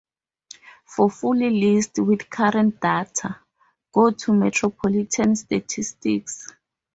For full list with current data, go to Metropolitan Statistics.